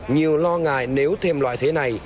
nhiều lo ngại nếu thêm loại thế này